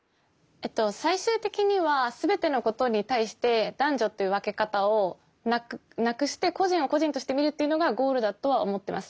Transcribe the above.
最終的には全てのことに対して男女という分け方をなくして個人を個人として見るっていうのがゴールだとは思ってます。